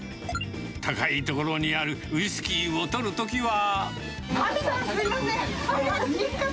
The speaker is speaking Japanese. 高い所にあるウイスキーを取るときは。